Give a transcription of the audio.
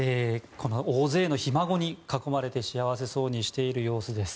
大勢のひ孫に囲まれて幸せそうにしている様子です。